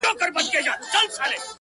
تر تا څو چنده ستا د زني عالمگير ښه دی-